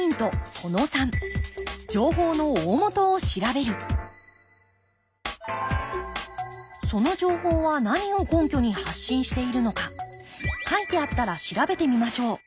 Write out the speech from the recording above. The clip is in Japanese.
その３その情報は何を根拠に発信しているのか書いてあったら調べてみましょう。